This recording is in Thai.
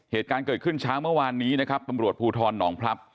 เหตุการณ์เกิดขึ้นช้างเมื่อวานนี้นะครับปรับปรับปรับ